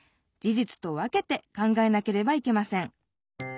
じつと分けて考えなければいけません。